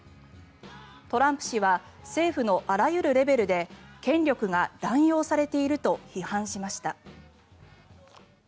トランプ氏は政府のあらゆるレベルで権力が乱用されていると批判しました。